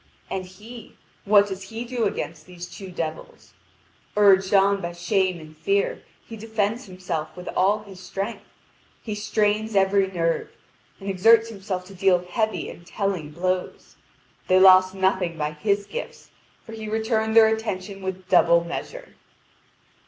And he what does he do against these two devils? Urged on by shame and fear, he defends himself with all his strength. He strains every nerve, and exerts himself to deal heavy, and telling blows; they lost nothing by his gifts, for he returned their attentions with double measure.